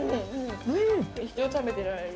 ◆一生、食べてられる。